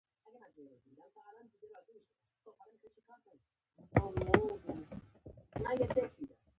اوس ورکه نغمه د مات رباب یمه